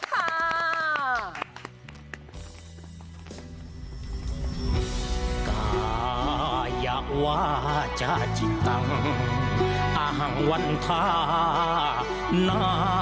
ภาธิบดีองค์ดำแสนสิริจันทราอนาคารเทวาวิสุทธิเทวาปู่เชมีเมตตัญจมหาละโพมิโยนาคาคันธปริตัง